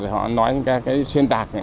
thì họ nói những cái xuyên tạc này